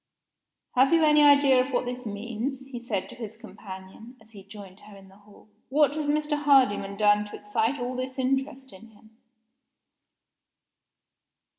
"Have you any idea of what this means?" he said to his companion, as he joined her in the hall. "What has Mr. Hardyman done to excite all this interest in him?"